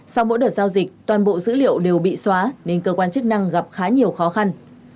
sau mỗi đợt giao dịch toàn bộ dữ liệu đều bị xóa nên cơ quan chức năng gặp khá nhiều khó khăn